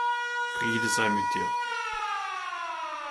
Friede sei mit dir.